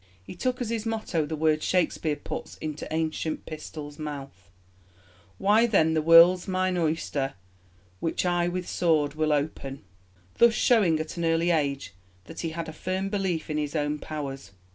He took as his motto the words Shakespeare puts into Ancient Pistol's mouth, Why, then the world's mine oyster, Which I with sword will open, thus showing at an early age that he had a firm belief in his own powers.